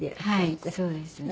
はいそうです。